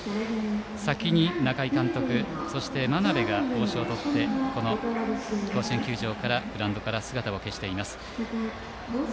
先に中井監督、そして真鍋が帽子をとって甲子園球場のグラウンドから姿を消しています。